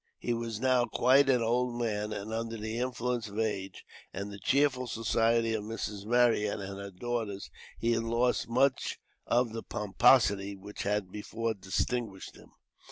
He was now quite an old man; and under the influence of age, and the cheerful society of Mrs. Marryat and her daughters, he had lost much of the pomposity which had before distinguished him.